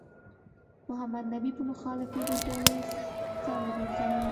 محمد نبي په مخالفې لوبډلې سر وګرځاوه